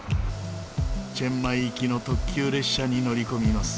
チェンマイ行きの特急列車に乗り込みます。